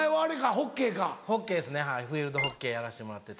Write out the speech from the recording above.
ホッケーですねフィールドホッケーやらせてもらってて。